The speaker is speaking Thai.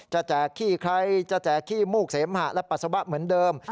แจกขี้ใครจะแจกขี้มูกเสมหะและปัสสาวะเหมือนเดิม